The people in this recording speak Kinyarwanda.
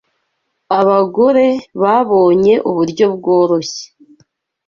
abagore babonye uburyo bworoshye